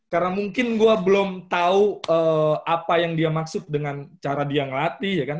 karena mungkin gue belum tau apa yang dia maksud dengan cara dia ngelatih ya kan